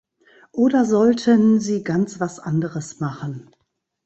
Oder sollten sie ganz was anderes machen?